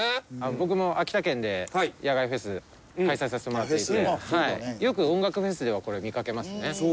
僕も秋田県で野外フェス開催させてもらっていてよく音楽フェスではこれ見かけますね。